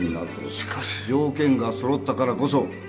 しかし条件が揃ったからこそ